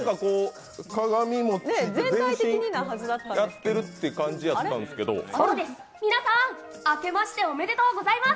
鏡餅、全身やってるって感じやったんですけど皆さん、明けましておめでとうございます。